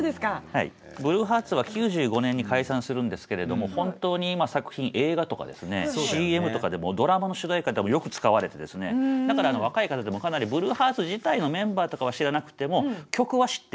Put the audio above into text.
ブルーハーツは９５年に解散するんですけれども本当に今作品映画とかですねＣＭとかでもドラマの主題歌でもよく使われてですねだから若い方でもかなりブルーハーツ自体のメンバーとかは知らなくても曲は知ってるって方々が多いですね。